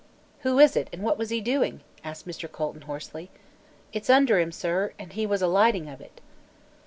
"Who is it, and what was he doing?" asked Mr. Colton hoarsely. "It's under him, sir, and he was a lighting of it."